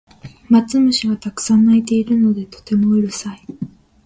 マツムシがたくさん鳴いているのでとてもうるさい